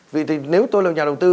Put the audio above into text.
vì nếu tôi là nhà đầu tư